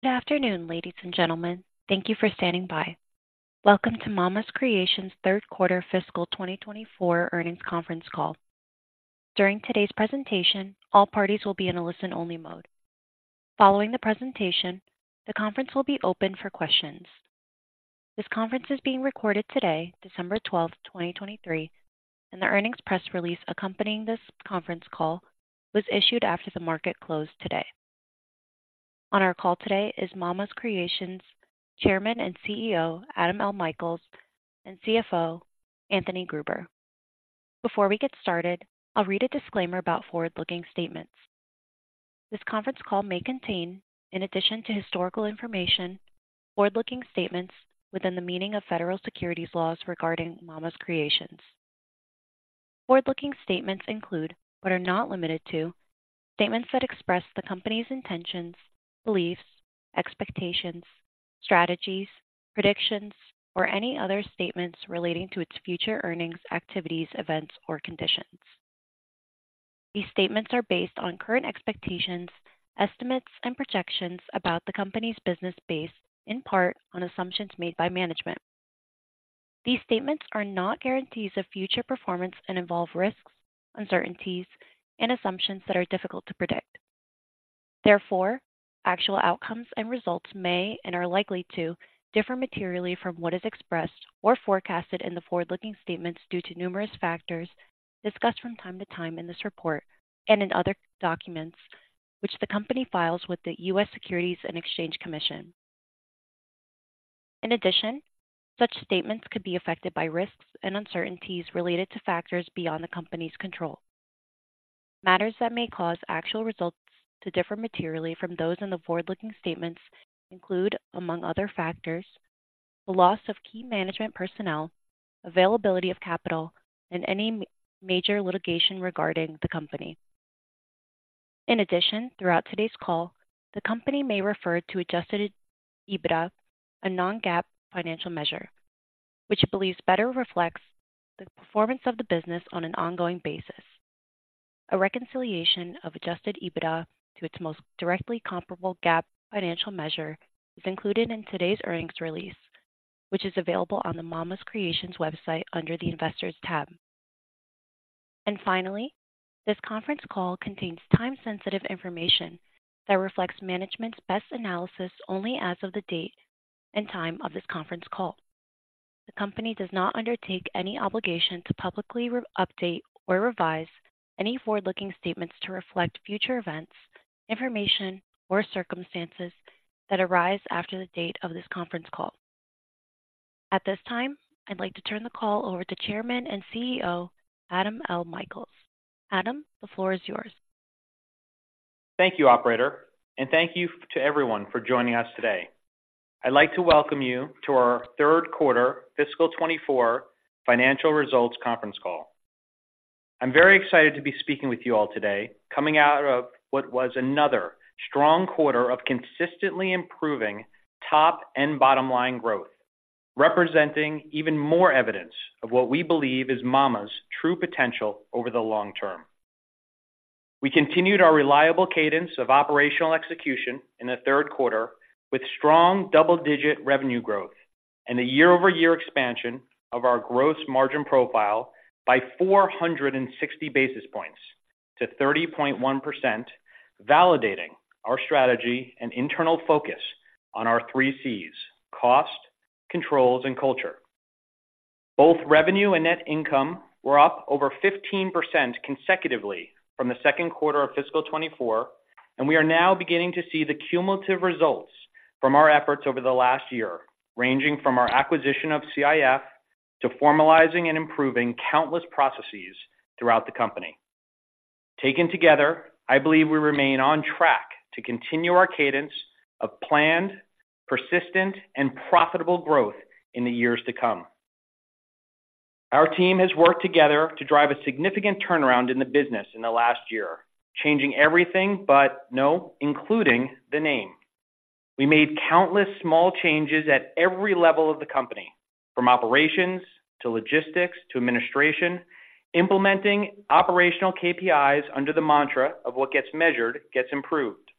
Good afternoon, ladies and gentlemen. Thank you for standing by. Welcome to Mama's Creations third quarter fiscal 2024 earnings conference call. During today's presentation, all parties will be in a listen-only mode. Following the presentation, the conference will be opened for questions. This conference is being recorded today, December 12, 2023, and the earnings press release accompanying this conference call was issued after the market closed today. On our call today is Mama's Creations Chairman and CEO Adam L. Michaels, and CFO Anthony Gruber. Before we get started, I'll read a disclaimer about forward-looking statements. This conference call may contain, in addition to historical information, forward-looking statements within the meaning of federal securities laws regarding Mama's Creations. Forward-looking statements include, but are not limited to, statements that express the company's intentions, beliefs, expectations, strategies, predictions, or any other statements relating to its future earnings, activities, events, or conditions. These statements are based on current expectations, estimates, and projections about the company's business, based in part on assumptions made by management. These statements are not guarantees of future performance and involve risks, uncertainties, and assumptions that are difficult to predict. Therefore, actual outcomes and results may, and are likely to, differ materially from what is expressed or forecasted in the forward-looking statements due to numerous factors discussed from time to time in this report and in other documents which the company files with the U.S. Securities and Exchange Commission. In addition, such statements could be affected by risks and uncertainties related to factors beyond the company's control. Matters that may cause actual results to differ materially from those in the forward-looking statements include, among other factors, the loss of key management personnel, availability of capital, and any major litigation regarding the company. In addition, throughout today's call, the company may refer to adjusted EBITDA, a non-GAAP financial measure, which it believes better reflects the performance of the business on an ongoing basis. A reconciliation of adjusted EBITDA to its most directly comparable GAAP financial measure is included in today's earnings release, which is available on the Mama's Creations website under the Investors tab. And finally, this conference call contains time-sensitive information that reflects management's best analysis only as of the date and time of this conference call. The company does not undertake any obligation to publicly update or revise any forward-looking statements to reflect future events, information, or circumstances that arise after the date of this conference call. At this time, I'd like to turn the call over to Chairman and CEO, Adam L. Michaels. Adam, the floor is yours. Thank you, operator, and thank you to everyone for joining us today. I'd like to welcome you to our third quarter fiscal 2024 financial results conference call. I'm very excited to be speaking with you all today, coming out of what was another strong quarter of consistently improving top and bottom line growth, representing even more evidence of what we believe is Mama's true potential over the long term. We continued our reliable cadence of operational execution in the third quarter, with strong double-digit revenue growth and a year-over-year expansion of our gross margin profile by 460 basis points to 30.1%, validating our strategy and internal focus on our three Cs: cost, controls, and culture. Both revenue and net income were up over 15% consecutively from the second quarter of fiscal 2024, and we are now beginning to see the cumulative results from our efforts over the last year, ranging from our acquisition of CIF to formalizing and improving countless processes throughout the company. Taken together, I believe we remain on track to continue our cadence of planned, persistent, and profitable growth in the years to come. Our team has worked together to drive a significant turnaround in the business in the last year, changing everything including the name. We made countless small changes at every level of the company, from operations to logistics to administration, implementing operational KPIs under the mantra of what gets measured, gets improved.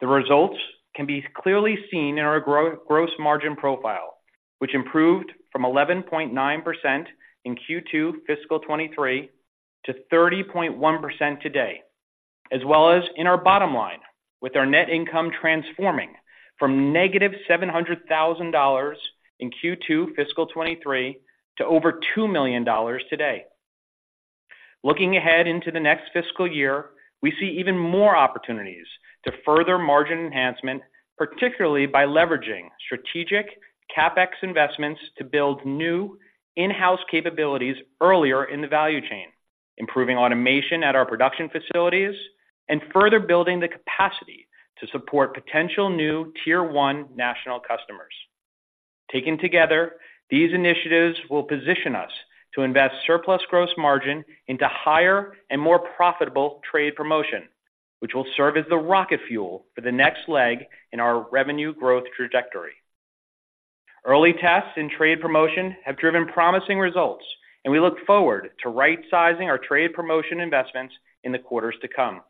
The results can be clearly seen in our gross margin profile, which improved from 11.9% in Q2 fiscal 2023 to 30.1% today, as well as in our bottom line, with our net income transforming from -$700,000 in Q2 fiscal 2023 to over $2 million today. Looking ahead into the next fiscal year, we see even more opportunities to further margin enhancement, particularly by leveraging strategic CapEx investments to build new in-house capabilities earlier in the value chain, improving automation at our production facilities, and further building the capacity to support potential new tier one national customers. Taken together, these initiatives will position us to invest surplus gross margin into higher and more profitable trade promotion, which will serve as the rocket fuel for the next leg in our revenue growth trajectory. Early tests in trade promotion have driven promising results, and we look forward to right-sizing our trade promotion investments in the quarters to come.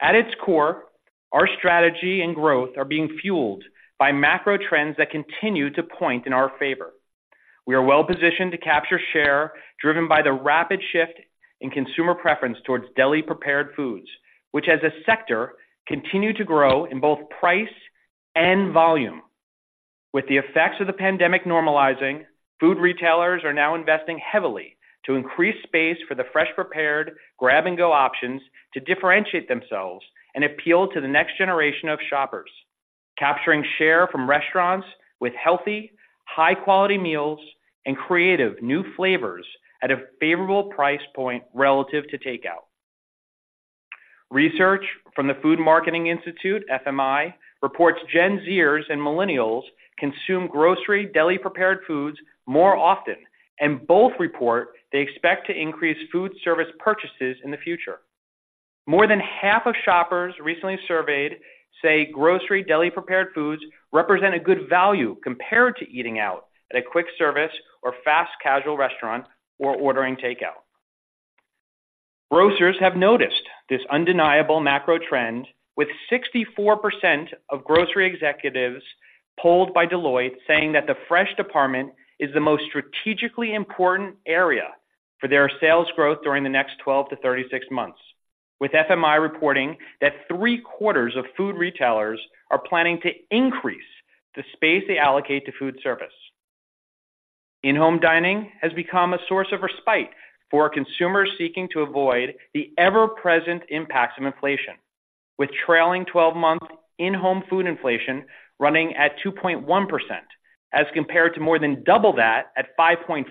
At its core, our strategy and growth are being fueled by macro trends that continue to point in our favor. We are well positioned to capture share, driven by the rapid shift in consumer preference towards deli-prepared foods, which, as a sector, continue to grow in both price and volume. With the effects of the pandemic normalizing, food retailers are now investing heavily to increase space for the fresh, prepared, grab-and-go options to differentiate themselves and appeal to the next generation of shoppers, capturing share from restaurants with healthy, high-quality meals and creative new flavors at a favorable price point relative to takeout. Research from the Food Marketing Institute, FMI, reports Gen Zers and Millennials consume grocery deli-prepared foods more often, and both report they expect to increase food service purchases in the future. More than half of shoppers recently surveyed say grocery deli-prepared foods represent a good value compared to eating out at a quick-service or fast-casual restaurant or ordering takeout. Grocers have noticed this undeniable macro trend, with 64% of grocery executives polled by Deloitte saying that the fresh department is the most strategically important area for their sales growth during the next 12-36 months, with FMI reporting that three-quarters of food retailers are planning to increase the space they allocate to food service. In-home dining has become a source of respite for consumers seeking to avoid the ever-present impacts of inflation, with trailing 12-month in-home food inflation running at 2.1%, as compared to more than double that at 5.4%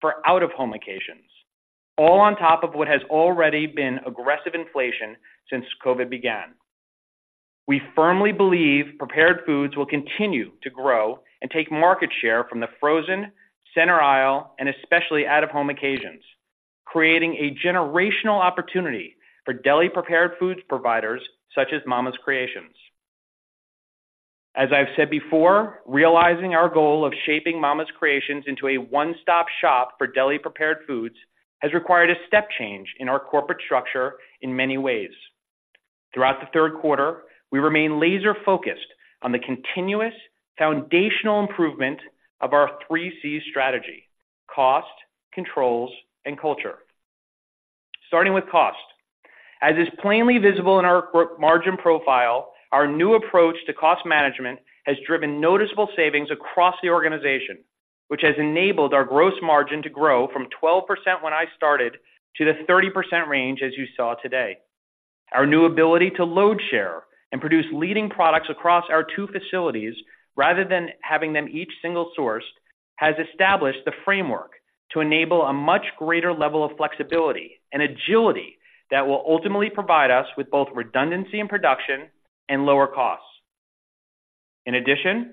for out-of-home occasions, all on top of what has already been aggressive inflation since COVID began. We firmly believe prepared foods will continue to grow and take market share from the frozen, center aisle, and especially out-of-home occasions, creating a generational opportunity for deli-prepared foods providers such as Mama's Creations. As I've said before, realizing our goal of shaping Mama's Creations into a one-stop shop for deli-prepared foods has required a step change in our corporate structure in many ways. Throughout the third quarter, we remain laser-focused on the continuous foundational improvement of our three C strategy: cost, controls, and culture. Starting with cost. As is plainly visible in our gross margin profile, our new approach to cost management has driven noticeable savings across the organization, which has enabled our gross margin to grow from 12% when I started, to the 30% range, as you saw today. Our new ability to load share and produce leading products across our two facilities, rather than having them each single-sourced, has established the framework to enable a much greater level of flexibility and agility that will ultimately provide us with both redundancy in production and lower costs. In addition,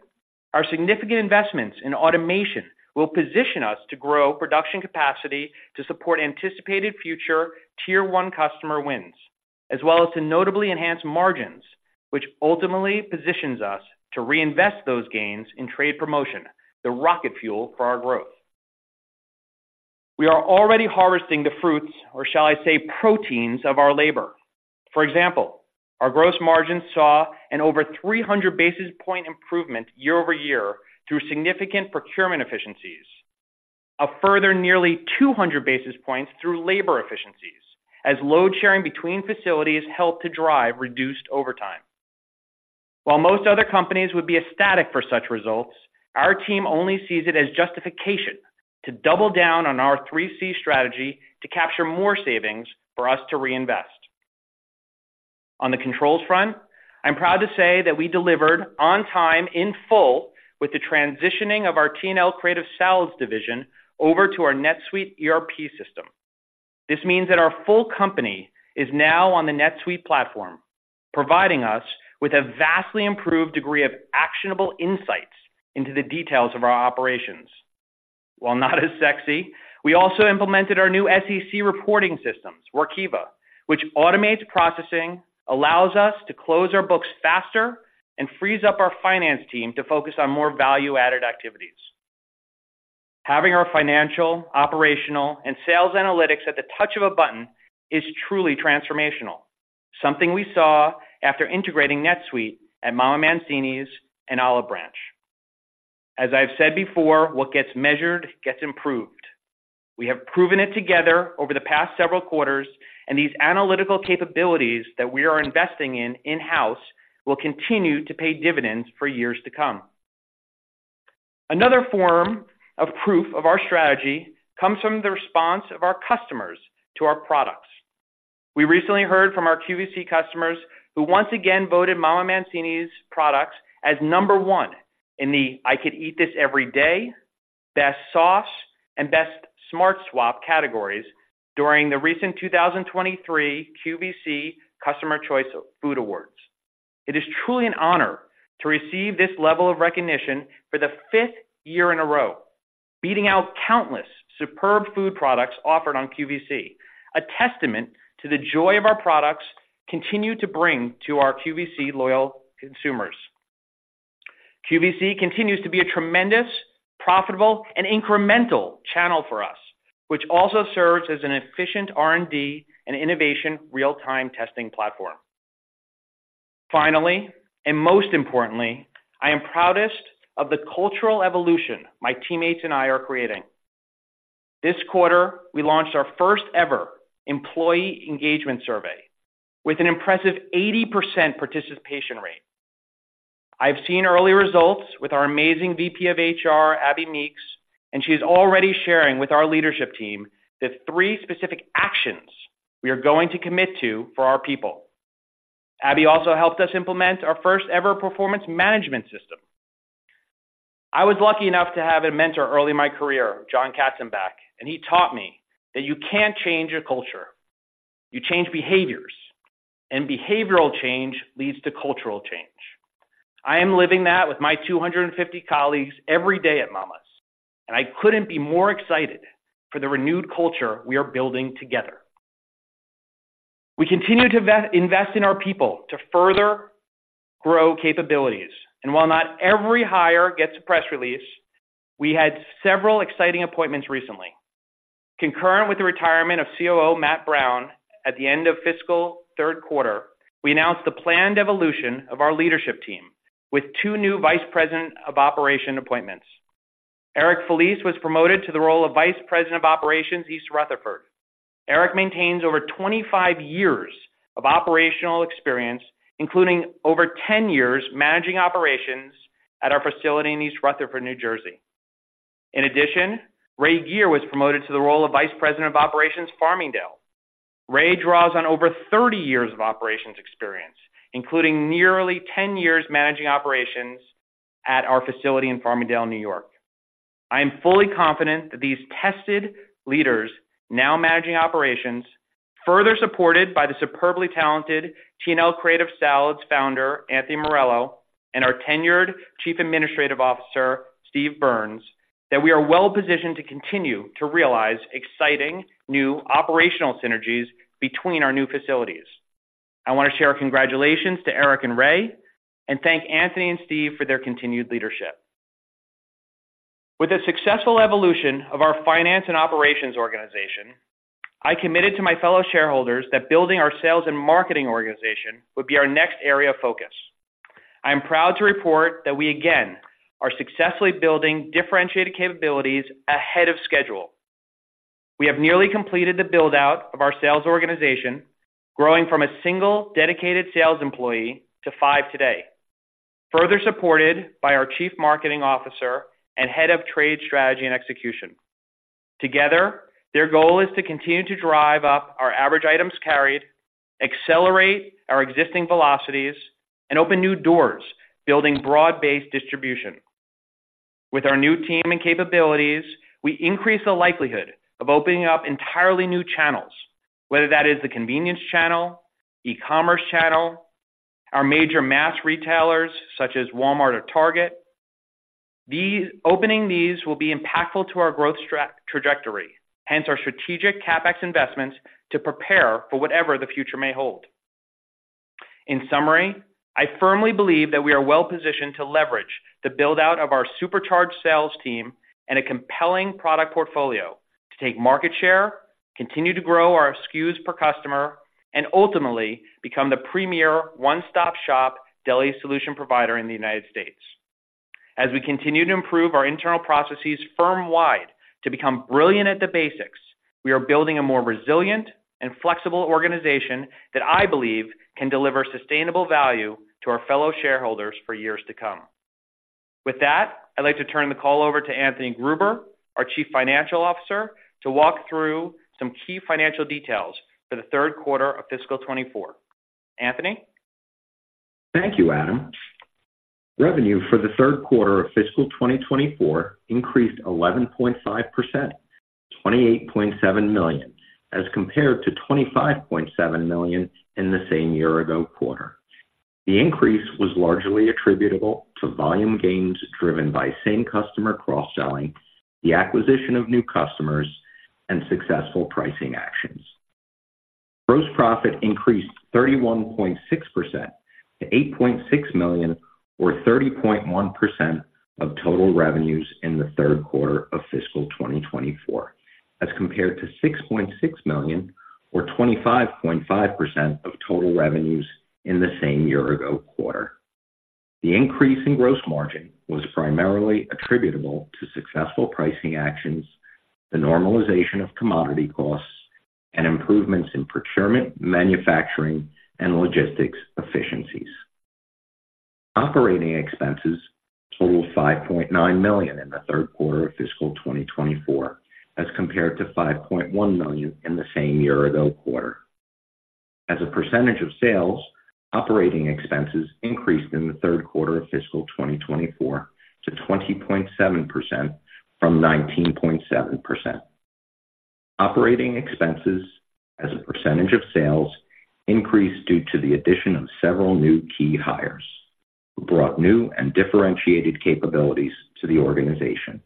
our significant investments in automation will position us to grow production capacity to support anticipated future tier 1 customer wins, as well as to notably enhance margins, which ultimately positions us to reinvest those gains in trade promotion, the rocket fuel for our growth. We are already harvesting the fruits, or shall I say, proteins of our labor. For example, our gross margin saw an over 300 basis point improvement year-over-year through significant procurement efficiencies. A further nearly 200 basis points through labor efficiencies as load sharing between facilities helped to drive reduced overtime. While most other companies would be ecstatic for such results, our team only sees it as justification to double down on our three C strategy to capture more savings for us to reinvest. On the controls front, I'm proud to say that we delivered on time in full with the transitioning of our T&L Creative Salads division over to our NetSuite ERP system. This means that our full company is now on the NetSuite platform, providing us with a vastly improved degree of actionable insights into the details of our operations. While not as sexy, we also implemented our new SEC reporting systems, Workiva, which automates processing, allows us to close our books faster, and frees up our finance team to focus on more value-added activities. Having our financial, operational, and sales analytics at the touch of a button is truly transformational. Something we saw after integrating NetSuite at Mama Mancini's and Olive Branch. As I've said before, what gets measured gets improved. We have proven it together over the past several quarters, and these analytical capabilities that we are investing in in-house will continue to pay dividends for years to come. Another form of proof of our strategy comes from the response of our customers to our products. We recently heard from our QVC customers, who once again voted Mama Mancini's products as number one in the "I could eat this every day," "Best Sauce," and "Best Smart Swap" categories during the recent 2023 QVC Customer Choice Food Awards. It is truly an honor to receive this level of recognition for the fifth year in a row... beating out countless superb food products offered on QVC, a testament to the joy of our products continue to bring to our QVC loyal consumers. QVC continues to be a tremendous, profitable, and incremental channel for us, which also serves as an efficient R&D and innovation real-time testing platform. Finally, and most importantly, I am proudest of the cultural evolution my teammates and I are creating. This quarter, we launched our first-ever employee engagement survey with an impressive 80% participation rate. I've seen early results with our amazing VP of HR, Abby Meeks, and she's already sharing with our leadership team the three specific actions we are going to commit to for our people. Abby also helped us implement our first-ever performance management system. I was lucky enough to have a mentor early in my career, Jon Katzenbach, and he taught me that you can't change a culture. You change behaviors, and behavioral change leads to cultural change. I am living that with my 250 colleagues every day at Mama's, and I couldn't be more excited for the renewed culture we are building together. We continue to invest in our people to further grow capabilities, and while not every hire gets a press release, we had several exciting appointments recently. Concurrent with the retirement of COO Matt Brown at the end of fiscal third quarter, we announced the planned evolution of our leadership team with two new vice president of operations appointments. Eric Felice was promoted to the role of vice president of operations, East Rutherford. Eric maintains over 25 years of operational experience, including over 10 years managing operations at our facility in East Rutherford, New Jersey. In addition, Ray Geer was promoted to the role of vice president of operations, Farmingdale. Ray draws on over 30 years of operations experience, including nearly 10 years managing operations at our facility in Farmingdale, New York. I am fully confident that these tested leaders, now managing operations, further supported by the superbly talented T&L Creative Salads founder, Anthony Morello, and our tenured Chief Administrative Officer, Steve Burns, that we are well-positioned to continue to realize exciting new operational synergies between our new facilities. I want to share our congratulations to Eric and Ray, and thank Anthony and Steve for their continued leadership. With the successful evolution of our finance and operations organization, I committed to my fellow shareholders that building our sales and marketing organization would be our next area of focus. I am proud to report that we again, are successfully building differentiated capabilities ahead of schedule. We have nearly completed the build-out of our sales organization, growing from a single dedicated sales employee to five today, further supported by our Chief Marketing Officer and head of trade strategy and execution. Together, their goal is to continue to drive up our average items carried, accelerate our existing velocities, and open new doors, building broad-based distribution. With our new team and capabilities, we increase the likelihood of opening up entirely new channels, whether that is the convenience channel, e-commerce channel, our major mass retailers such as Walmart or Target. These openings will be impactful to our growth trajectory, hence our strategic CapEx investments to prepare for whatever the future may hold. In summary, I firmly believe that we are well-positioned to leverage the build-out of our supercharged sales team and a compelling product portfolio to take market share, continue to grow our SKUs per customer, and ultimately become the premier one-stop-shop deli solution provider in the United States. As we continue to improve our internal processes firm-wide to become brilliant at the basics, we are building a more resilient and flexible organization that I believe can deliver sustainable value to our fellow shareholders for years to come. With that, I'd like to turn the call over to Anthony Gruber, our Chief Financial Officer, to walk through some key financial details for the third quarter of fiscal 2024. Anthony? Thank you, Adam. Revenue for the third quarter of fiscal 2024 increased 11.5%, $28.7 million, as compared to $25.7 million in the same year-ago quarter. The increase was largely attributable to volume gains driven by same-customer cross-selling, the acquisition of new customers, and successful pricing actions. Gross profit increased 31.6% to $8.6 million, or 30.1% of total revenues in the third quarter of fiscal 2024, as compared to $6.6 million or 25.5% of total revenues in the same year-ago quarter. The increase in gross margin was primarily attributable to successful pricing actions, the normalization of commodity costs, and improvements in procurement, manufacturing, and logistics efficiencies. Operating expenses totaled $5.9 million in the third quarter of fiscal 2024, as compared to $5.1 million in the same year-ago quarter. As a percentage of sales, operating expenses increased in the third quarter of fiscal 2024 to 20.7% from 19.7%. Operating expenses as a percentage of sales increased due to the addition of several new key hires, who brought new and differentiated capabilities to the organization.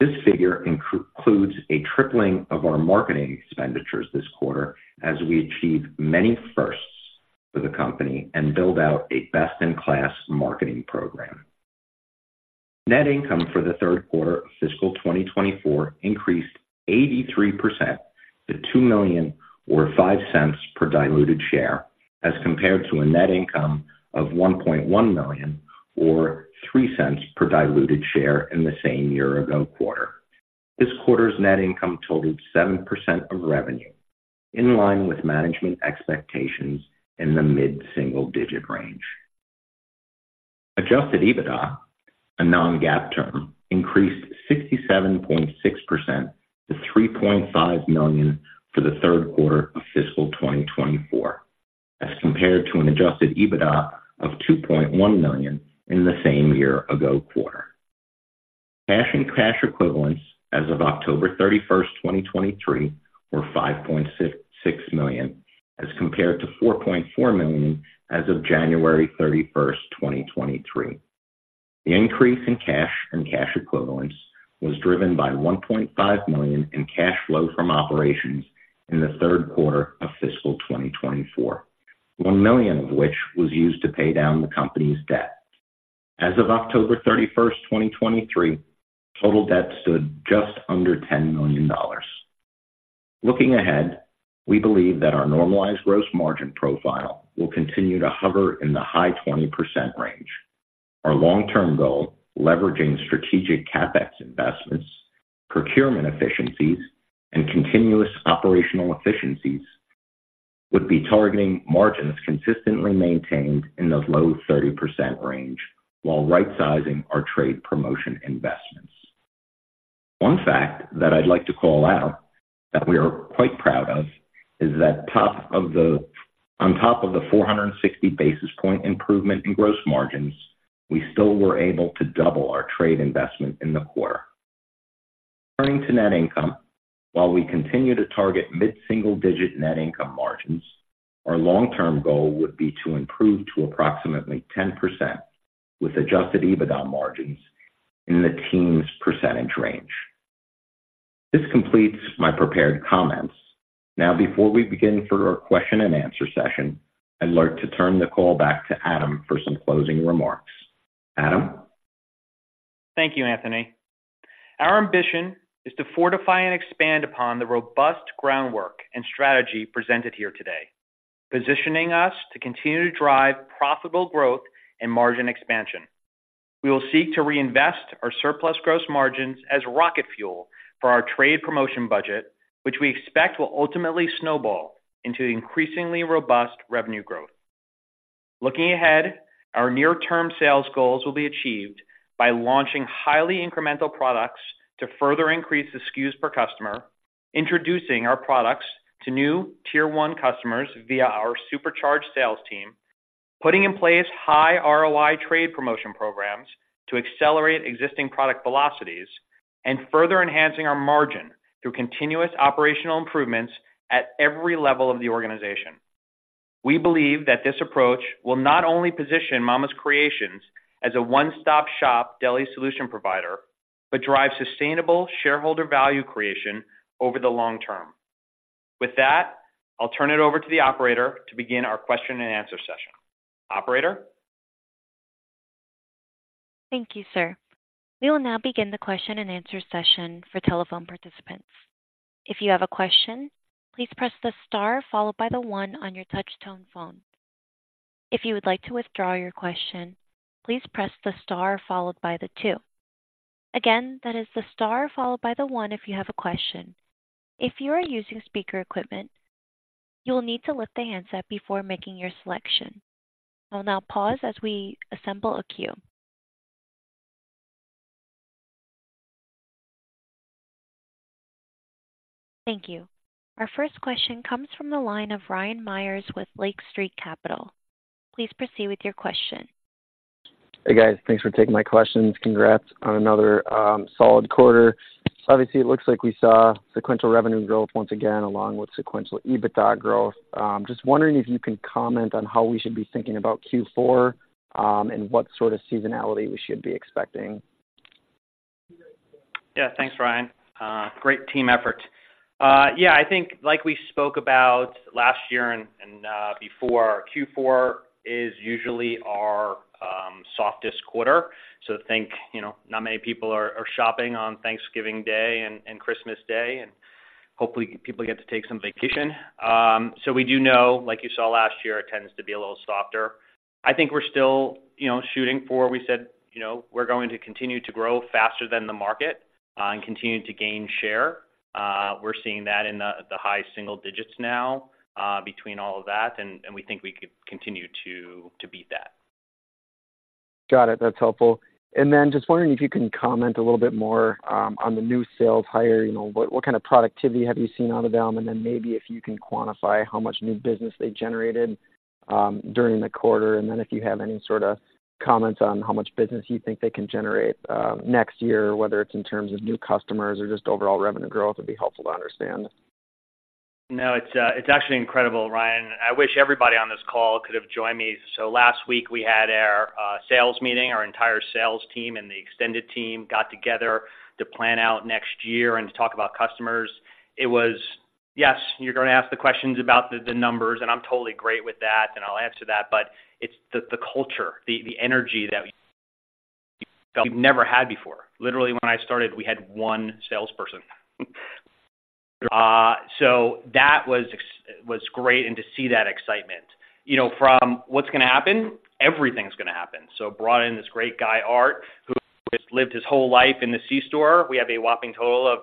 This figure includes a tripling of our marketing expenditures this quarter, as we achieve many firsts for the company and build out a best-in-class marketing program. Net income for the third quarter of fiscal 2024 increased 83% to $2 million, or $0.05 per diluted share, as compared to a net income of $1.1 million, or $0.03 per diluted share in the same year ago quarter. This quarter's net income totaled 7% of revenue, in line with management expectations in the mid-single-digit range. Adjusted EBITDA, a non-GAAP term, increased 67.6% to $3.5 million for the third quarter of fiscal 2024, as compared to an adjusted EBITDA of $2.1 million in the same year ago quarter. Cash and cash equivalents as of October 31st, 2023, were $5.6 million, as compared to $4.4 million as of January 31st, 2023. The increase in cash and cash equivalents was driven by $1.5 million in cash flow from operations in the third quarter of fiscal 2024, $1 million of which was used to pay down the company's debt. As of October 31st, 2023, total debt stood just under $10 million. Looking ahead, we believe that our normalized gross margin profile will continue to hover in the high 20% range. Our long-term goal, leveraging strategic CapEx investments, procurement efficiencies, and continuous operational efficiencies, would be targeting margins consistently maintained in the low 30% range while rightsizing our trade promotion investments. One fact that I'd like to call out, that we are quite proud of, is that on top of the 460 basis point improvement in gross margins, we still were able to double our trade investment in the quarter. Turning to net income, while we continue to target mid-single-digit net income margins, our long-term goal would be to improve to approximately 10%, with adjusted EBITDA margins in the teens % range. This completes my prepared comments. Now, before we begin for our question and answer session, I'd like to turn the call back to Adam for some closing remarks. Adam? Thank you, Anthony. Our ambition is to fortify and expand upon the robust groundwork and strategy presented here today, positioning us to continue to drive profitable growth and margin expansion. We will seek to reinvest our surplus gross margins as rocket fuel for our trade promotion budget, which we expect will ultimately snowball into increasingly robust revenue growth. Looking ahead, our near-term sales goals will be achieved by launching highly incremental products to further increase the SKUs per customer, introducing our products to new tier one customers via our supercharged sales team, putting in place high ROI trade promotion programs to accelerate existing product velocities, and further enhancing our margin through continuous operational improvements at every level of the organization. We believe that this approach will not only position Mama's Creations as a one-stop-shop deli solution provider, but drive sustainable shareholder value creation over the long term. With that, I'll turn it over to the operator to begin our question-and-answer session. Operator? Thank you, sir. We will now begin the question and answer session for telephone participants. If you have a question, please press the star followed by the one on your touch tone phone. If you would like to withdraw your question, please press the star followed by the two. Again, that is the star followed by the one if you have a question. If you are using speaker equipment, you will need to lift the handset before making your selection. I'll now pause as we assemble a queue. Thank you. Our first question comes from the line of Ryan Meyers with Lake Street Capital. Please proceed with your question. Hey, guys. Thanks for taking my questions. Congrats on another solid quarter. Obviously, it looks like we saw sequential revenue growth once again, along with sequential EBITDA growth. Just wondering if you can comment on how we should be thinking about Q4, and what sort of seasonality we should be expecting. Yeah, thanks, Ryan. Great team effort. Yeah, I think like we spoke about last year and, and, before, Q4 is usually our softest quarter. So I think, you know, not many people are shopping on Thanksgiving Day and Christmas Day, and hopefully people get to take some vacation. So we do know, like you saw last year, it tends to be a little softer. I think we're still, you know, shooting for what we said. You know, we're going to continue to grow faster than the market and continue to gain share. We're seeing that in the high single digits now, between all of that, and we think we could continue to beat that. Got it. That's helpful. And then just wondering if you can comment a little bit more on the new sales hire. You know, what, what kind of productivity have you seen out of them? And then maybe if you can quantify how much new business they've generated during the quarter, and then if you have any sort of comments on how much business you think they can generate next year, whether it's in terms of new customers or just overall revenue growth, would be helpful to understand. No, it's, it's actually incredible, Ryan. I wish everybody on this call could have joined me. So last week we had our sales meeting. Our entire sales team and the extended team got together to plan out next year and to talk about customers. It was... Yes, you're gonna ask the questions about the, the numbers, and I'm totally great with that, and I'll answer that. But it's the, the culture, the, the energy that we've never had before. Literally, when I started, we had one salesperson. So that was great, and to see that excitement. You know, from what's gonna happen? Everything's gonna happen. So brought in this great guy, Art, who has lived his whole life in the C-store. We have a whopping total of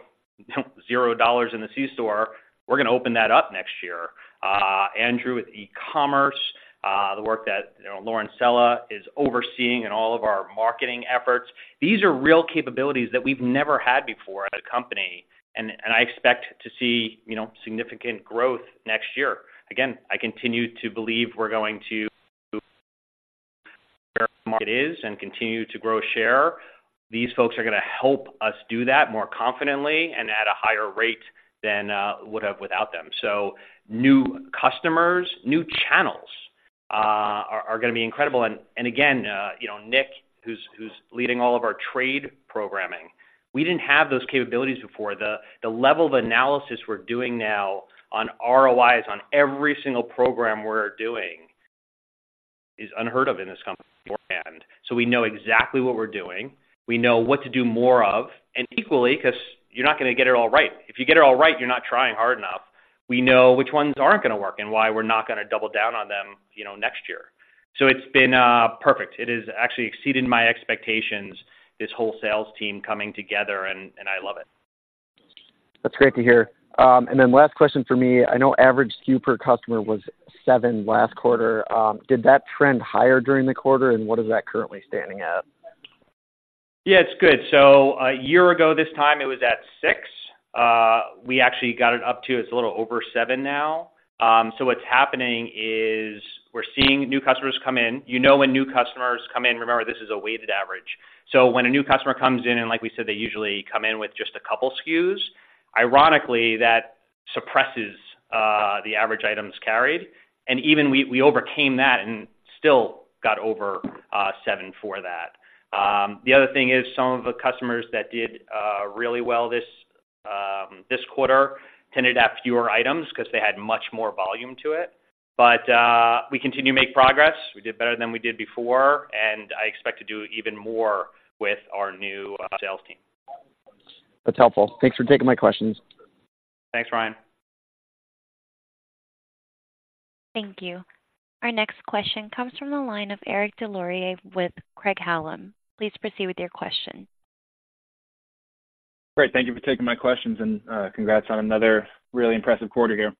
zero dollars in the C-store. We're gonna open that up next year. Andrew with e-commerce, the work that, you know, Lauren Sella is overseeing and all of our marketing efforts. These are real capabilities that we've never had before as a company, and I expect to see, you know, significant growth next year. Again, I continue to believe we're going to where the market is and continue to grow share. These folks are gonna help us do that more confidently and at a higher rate than would have without them. So new customers, new channels are gonna be incredible. And again, you know, Nick, who's leading all of our trade programming, we didn't have those capabilities before. The level of analysis we're doing now on ROIs, on every single program we're doing, is unheard of in this company beforehand. So we know exactly what we're doing. We know what to do more of, and equally, 'cause you're not gonna get it all right. If you get it all right, you're not trying hard enough. We know which ones aren't gonna work and why we're not gonna double down on them, you know, next year. So it's been perfect. It has actually exceeded my expectations, this whole sales team coming together, and, and I love it. That's great to hear. And then last question for me: I know average SKU per customer was seven last quarter. Did that trend higher during the quarter, and what is that currently standing at? Yeah, it's good. So a year ago this time, it was at six. We actually got it up to... It's a little over seven now. So what's happening is we're seeing new customers come in. You know, when new customers come in, remember, this is a weighted average. So when a new customer comes in, and like we said, they usually come in with just a couple SKUs, ironically, that suppresses the average items carried. And even we overcame that and still got over seven for that. The other thing is, some of the customers that did really well this quarter tended to have fewer items 'cause they had much more volume to it. But we continue to make progress. We did better than we did before, and I expect to do even more with our new sales team. That's helpful. Thanks for taking my questions. Thanks, Ryan. Thank you. Our next question comes from the line of Eric Des Lauriers with Craig-Hallum. Please proceed with your question. Great. Thank you for taking my questions, and, congrats on another really impressive quarter here.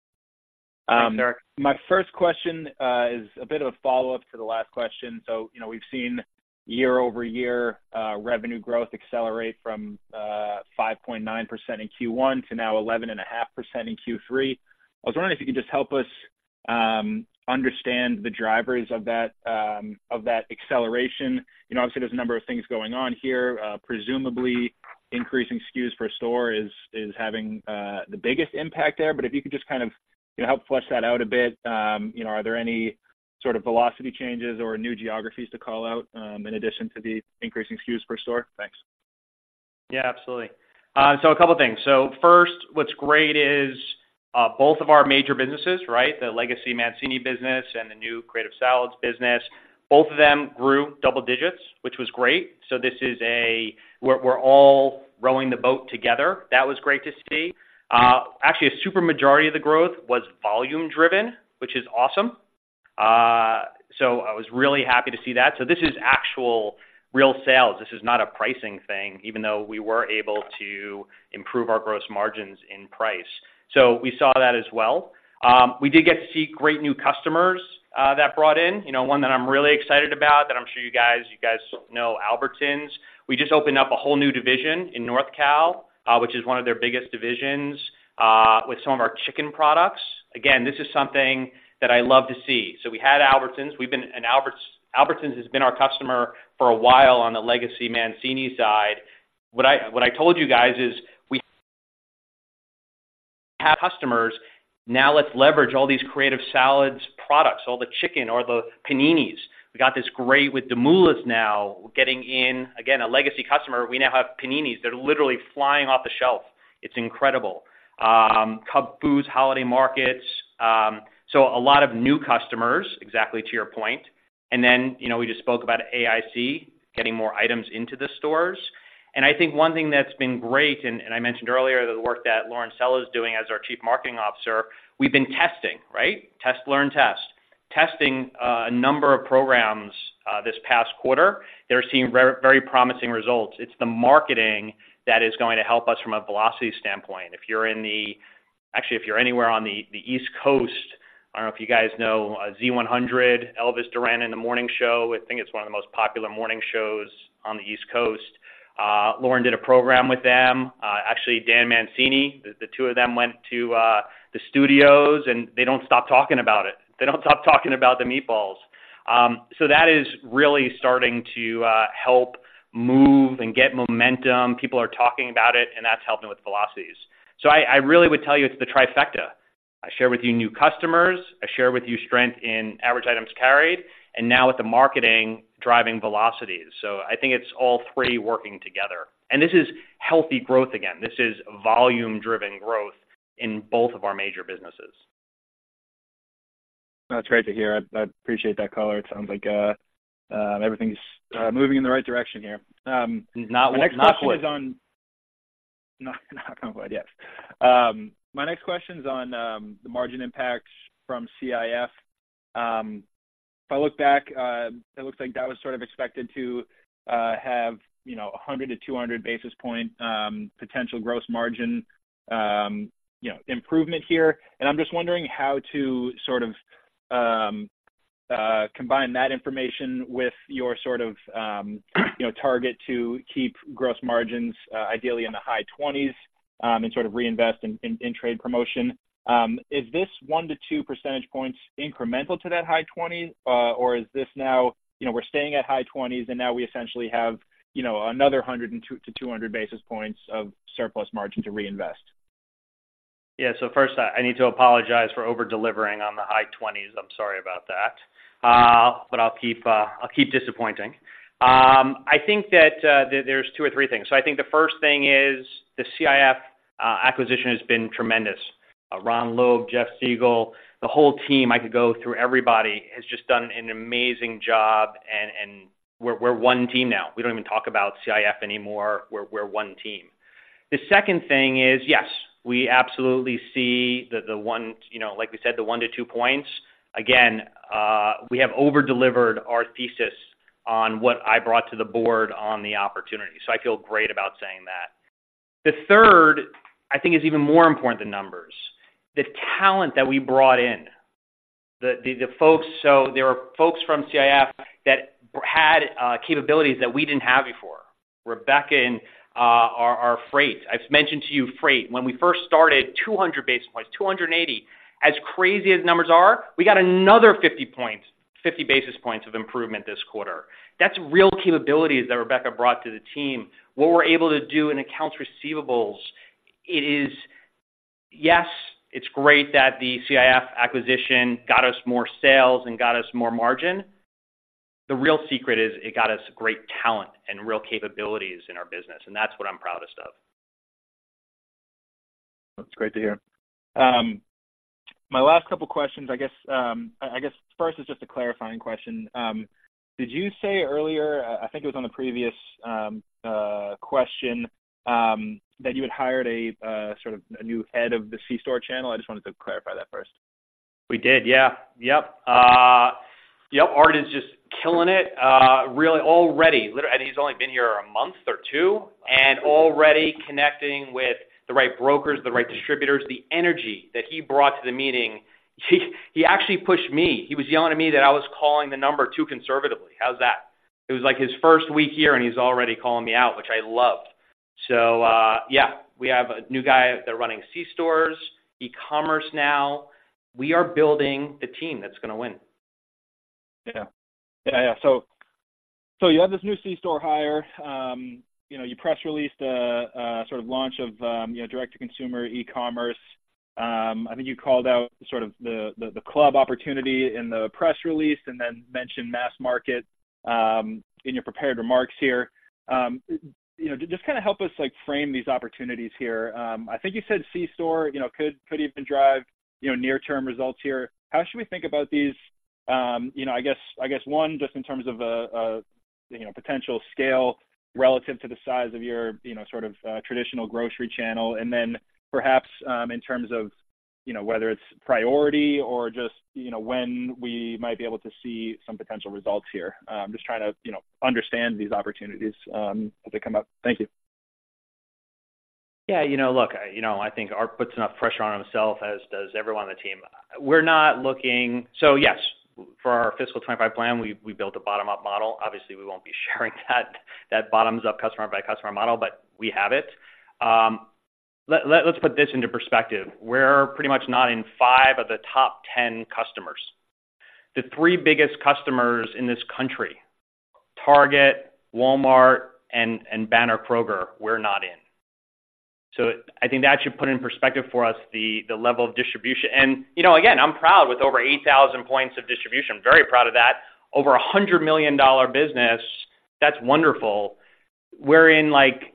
Thanks, Eric. My first question is a bit of a follow-up to the last question. So, you know, we've seen year-over-year revenue growth accelerate from 5.9% in Q1 to now 11.5% in Q3. I was wondering if you could just help us understand the drivers of that acceleration. You know, obviously, there's a number of things going on here. Presumably, increasing SKUs per store is having the biggest impact there. But if you could just kind of, you know, help flesh that out a bit. You know, are there any sort of velocity changes or new geographies to call out in addition to the increasing SKUs per store? Thanks. Yeah, absolutely. So a couple of things. So first, what's great is, both of our major businesses, right? The legacy Mancini business and the new Creative Salads business, both of them grew double digits, which was great. So this is a... We're, we're all rowing the boat together. That was great to see. Actually, a super majority of the growth was volume-driven, which is awesome. So I was really happy to see that. So this is actual real sales. This is not a pricing thing, even though we were able to improve our gross margins in price. So we saw that as well. We did get to see great new customers, that brought in. You know, one that I'm really excited about, that I'm sure you guys, you guys know, Albertsons. We just opened up a whole new division in North Cal, which is one of their biggest divisions, with some of our chicken products. Again, this is something that I love to see. So we had Albertsons. We've been, and Albertsons has been our customer for a while on the legacy Mancini side. What I told you guys is we have customers. Now, let's leverage all these Creative Salads products, all the chicken or the paninis. We got this great with Demoulas now, we're getting in, again, a legacy customer. We now have paninis. They're literally flying off the shelf. It's incredible. Cub Foods, Holiday Markets, so a lot of new customers, exactly to your point. And then, you know, we just spoke about AIC, getting more items into the stores. And I think one thing that's been great, and I mentioned earlier, the work that Lauren Sella is doing as our Chief Marketing Officer. We've been testing, right? Test, learn, test. Testing a number of programs this past quarter. They're seeing very promising results. It's the marketing that is going to help us from a velocity standpoint. Actually, if you're anywhere on the East Coast, I don't know if you guys know, Z100, Elvis Duran in the Morning show. I think it's one of the most popular morning shows on the East Coast. Lauren did a program with them. Actually, Dan Mancini, the two of them went to the studios, and they don't stop talking about it. They don't stop talking about the meatballs. So that is really starting to help move and get momentum. People are talking about it, and that's helping with velocities. So I, I really would tell you it's the trifecta. I shared with you new customers, I shared with you strength in average items carried, and now with the marketing, driving velocities. So I think it's all three working together. And this is healthy growth again, this is volume-driven growth in both of our major businesses. That's great to hear. I appreciate that color. It sounds like everything's moving in the right direction here. And not knock on wood. My next question is on the margin impacts from CIF. If I look back, it looks like that was sort of expected to have, you know, 100-200 basis points potential gross margin, you know, improvement here. And I'm just wondering how to sort of combine that information with your sort of, you know, target to keep gross margins ideally in the high twenties and sort of reinvest in trade promotion. Is this 1-2 percentage points incremental to that high 20s or is this now, you know, we're staying at high 20s, and now we essentially have, you know, another 100-200 basis points of surplus margin to reinvest? Yeah. So first, I need to apologize for over-delivering on the high twenties. I'm sorry about that. But I'll keep disappointing. I think that there's two or three things. So I think the first thing is, the CIF acquisition has been tremendous. Ron Loeb, Jeff Siegel, the whole team, I could go through everybody, has just done an amazing job, and we're one team now. We don't even talk about CIF anymore, we're one team. The second thing is, yes, we absolutely see the one... You know, like we said, the 1-2 points. Again, we have over-delivered our thesis on what I brought to the board on the opportunity, so I feel great about saying that. The third, I think, is even more important than numbers. The talent that we brought in, the folks. So there are folks from CIF that had capabilities that we didn't have before. Rebecca in our freight. I've mentioned to you, freight. When we first started, 200 basis points, 280. As crazy as the numbers are, we got another 50 basis points of improvement this quarter. That's real capabilities that Rebecca brought to the team. What we're able to do in accounts receivables, it is... Yes, it's great that the CIF acquisition got us more sales and got us more margin. The real secret is, it got us great talent and real capabilities in our business, and that's what I'm proudest of. That's great to hear. My last couple of questions, I guess, first is just a clarifying question. Did you say earlier, I think it was on the previous question, that you had hired a sort of a new head of the C-store channel? I just wanted to clarify that first. We did. Yeah. Yep. Yep, Art is just killing it, really already. And he's only been here a month or two, and already connecting with the right brokers, the right distributors. The energy that he brought to the meeting, he actually pushed me. He was yelling at me that I was calling the number too conservatively. How's that? It was, like, his first week here, and he's already calling me out, which I loved. So, yeah, we have a new guy that's running C-stores, e-commerce now. We are building the team that's gonna win. Yeah. Yeah, yeah. So you have this new C-store hire. You know, you press released a sort of launch of, you know, direct-to-consumer e-commerce. I think you called out sort of the club opportunity in the press release and then mentioned mass market in your prepared remarks here. You know, just kind of help us, like, frame these opportunities here. I think you said C-store, you know, could even drive, you know, near-term results here. How should we think about these? You know, I guess one, just in terms of a you know, potential scale relative to the size of your, you know, sort of, traditional grocery channel, and then perhaps, in terms of, you know, whether it's priority or just, you know, when we might be able to see some potential results here. I'm just trying to, you know, understand these opportunities, as they come up. Thank you. Yeah, you know, look, I... You know, I think Art puts enough pressure on himself, as does everyone on the team. We're not looking. So yes, for our fiscal 2025 plan, we, we built a bottom-up model. Obviously, we won't be sharing that, that bottoms-up, customer-by-customer model, but we have it. Let, let, let's put this into perspective: We're pretty much not in five of the top 10 customers. The three biggest customers in this country, Target, Walmart, and, and banner Kroger, we're not in. So I think that should put in perspective for us the, the level of distribution. And, you know, again, I'm proud, with over 8,000 points of distribution, very proud of that. Over a $100 million business, that's wonderful. We're in, like,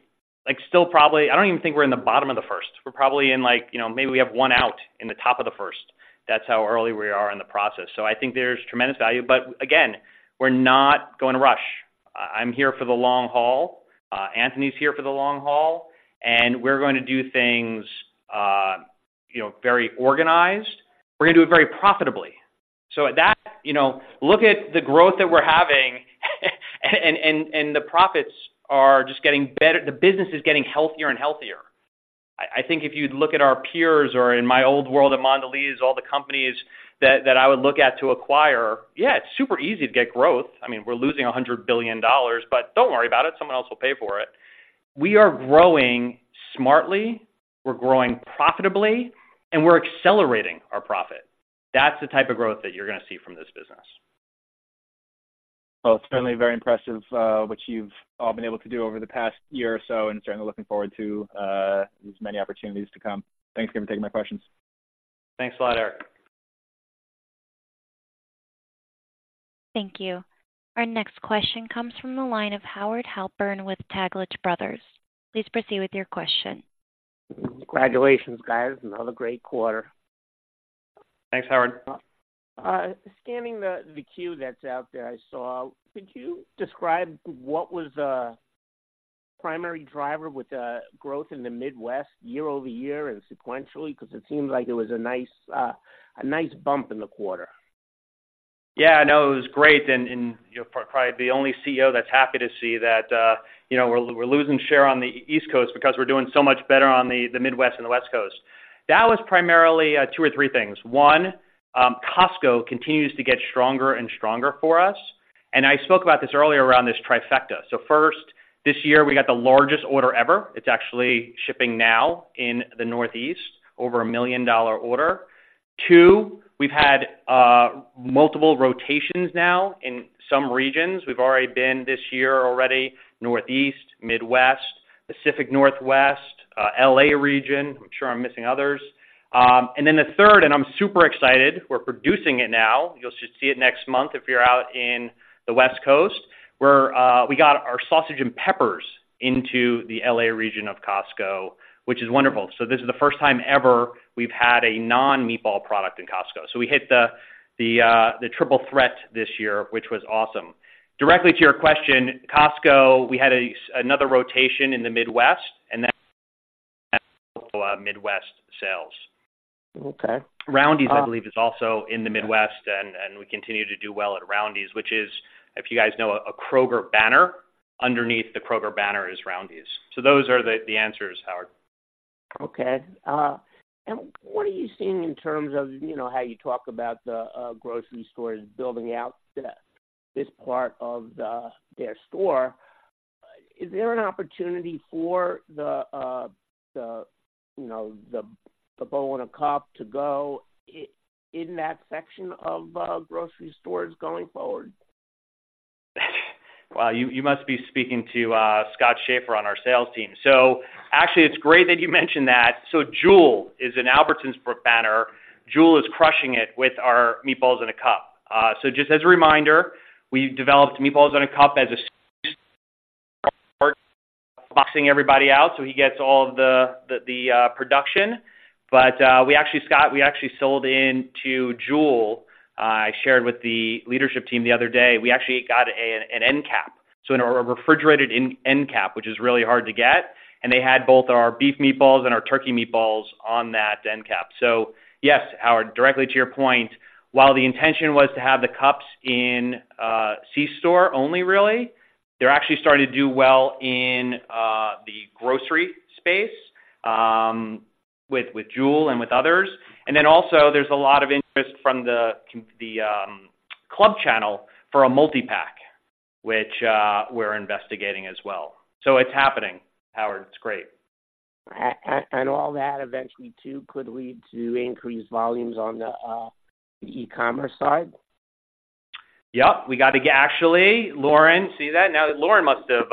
like, still probably... I don't even think we're in the bottom of the first. We're probably in, like, you know, maybe we have one out in the top of the first. That's how early we are in the process. So I think there's tremendous value. But again, we're not going to rush. I'm here for the long haul, Anthony's here for the long haul, and we're going to do things, you know, very organized. We're gonna do it very profitably. So at that, you know, look at the growth that we're having, and the profits are just getting better. The business is getting healthier and healthier. I think if you look at our peers or in my old world at Mondelēz, all the companies that I would look at to acquire, yeah, it's super easy to get growth. I mean, we're losing $100 billion, but don't worry about it, someone else will pay for it. We are growing smartly, we're growing profitably, and we're accelerating our profit... That's the type of growth that you're gonna see from this business. Well, it's certainly very impressive, what you've all been able to do over the past year or so, and certainly looking forward to, as many opportunities to come. Thanks again for taking my questions. Thanks a lot, Eric. Thank you. Our next question comes from the line of Howard Halpern with Taglich Brothers. Please proceed with your question. Congratulations, guys. Another great quarter. Thanks, Howard. Scanning the queue that's out there, I saw— Could you describe what was the primary driver with the growth in the Midwest year-over-year and sequentially? Because it seems like there was a nice bump in the quarter. Yeah, I know. It was great and, you know, probably the only CEO that's happy to see that, you know, we're losing share on the East Coast because we're doing so much better on the Midwest and the West Coast. That was primarily two or three things. One, Costco continues to get stronger and stronger for us, and I spoke about this earlier around this trifecta. So first, this year, we got the largest order ever. It's actually shipping now in the Northeast, over a $1 million order. Two, we've had multiple rotations now in some regions. We've already been, this year already, Northeast, Midwest, Pacific Northwest, L.A. region. I'm sure I'm missing others. And then the third, and I'm super excited, we're producing it now. You should see it next month if you're out in the West Coast, where we got our sausage and peppers into the L.A. region of Costco, which is wonderful. So this is the first time ever we've had a non-meatball product in Costco. So we hit the triple threat this year, which was awesome. Directly to your question, Costco, we had another rotation in the Midwest, and that Midwest sales. Okay. Roundy's, I believe, is also in the Midwest, and we continue to do well at Roundy's, which is, if you guys know, a Kroger banner. Underneath the Kroger banner is Roundy's. So those are the answers, Howard. Okay. And what are you seeing in terms of, you know, how you talk about the grocery stores building out this part of their store? Is there an opportunity for the, you know, the Meatballs in a Cup to go in that section of grocery stores going forward? Well, you must be speaking to Scott Schaefer on our sales team. So actually, it's great that you mentioned that. So Jewel is an Albertsons banner. Jewel is crushing it with our Meatballs in a Cup. So just as a reminder, we developed Meatballs in a Cup as a boxing everybody out, so he gets all of the production. But we actually Scott, we actually sold into Jewel. I shared with the leadership team the other day, we actually got an end cap, so a refrigerated end cap, which is really hard to get. And they had both our beef meatballs and our turkey meatballs on that end cap. So yes, Howard, directly to your point, while the intention was to have the cups in C-store only really, they're actually starting to do well in the grocery space with Jewel and with others. And then also there's a lot of interest from the club channel for a multi-pack, which we're investigating as well. So it's happening, Howard, it's great. And all that eventually, too, could lead to increased volumes on the e-commerce side? Yep, we got to actually... Lauren, see that? Now, Lauren must have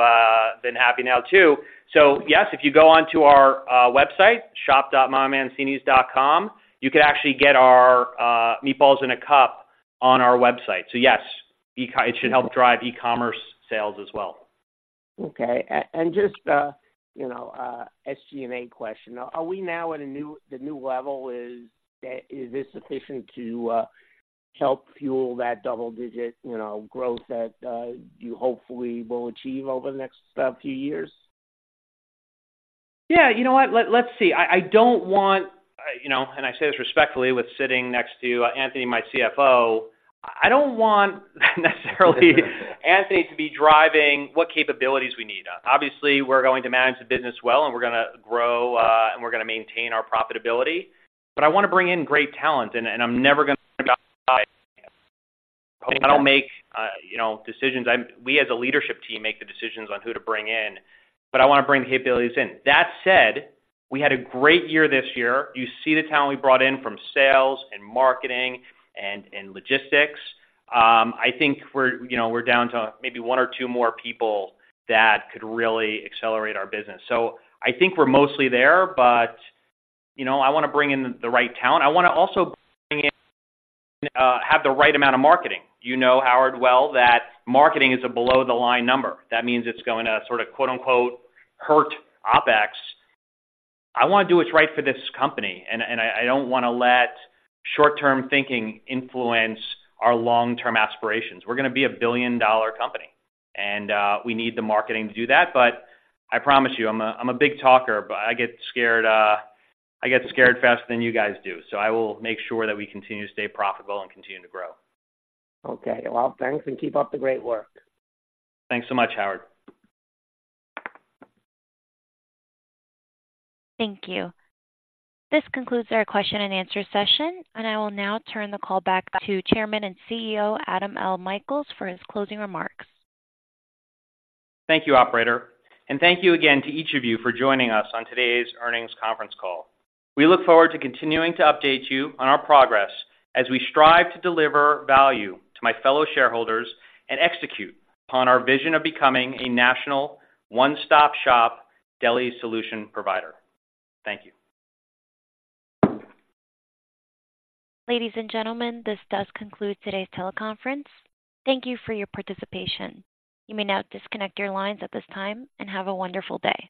been happy now, too. So yes, if you go onto our website, shop.mamamancinis.com, you could actually get our meatballs in a cup on our website. So yes, it should help drive e-commerce sales as well. Okay, and just, you know, SG&A question. Are we now at a new level? Is this sufficient to help fuel that double digit, you know, growth that you hopefully will achieve over the next few years? Yeah, you know what? Let's see. I don't want, you know, and I say this respectfully, with sitting next to Anthony, my CFO, I don't want necessarily, Anthony to be driving what capabilities we need. Obviously, we're going to manage the business well, and we're gonna grow, and we're gonna maintain our profitability, but I wanna bring in great talent, and, and I'm never gonna. I'll make, you know, decisions. I'm. We, as a leadership team, make the decisions on who to bring in, but I wanna bring the capabilities in. That said, we had a great year this year. You see the talent we brought in from sales and marketing and, and logistics. I think we're, you know, we're down to maybe one or two more people that could really accelerate our business. So I think we're mostly there, but, you know, I wanna bring in the right talent. I wanna also bring in, have the right amount of marketing. You know, Howard, well, that marketing is a below-the-line number. That means it's going to sort of, quote-unquote, "hurt OpEx." I wanna do what's right for this company, and I don't wanna let short-term thinking influence our long-term aspirations. We're gonna be a billion-dollar company, and we need the marketing to do that. But I promise you, I'm a big talker, but I get scared faster than you guys do. So I will make sure that we continue to stay profitable and continue to grow. Okay. Well, thanks, and keep up the great work. Thanks so much, Howard. Thank you. This concludes our question and answer session, and I will now turn the call back to Chairman and CEO, Adam L. Michaels, for his closing remarks. Thank you, operator, and thank you again to each of you for joining us on today's earnings conference call. We look forward to continuing to update you on our progress as we strive to deliver value to my fellow shareholders and execute upon our vision of becoming a national one-stop-shop deli solution provider. Thank you. Ladies and gentlemen, this does conclude today's teleconference. Thank you for your participation. You may now disconnect your lines at this time, and have a wonderful day.